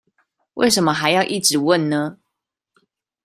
為什麼還要一直問呢？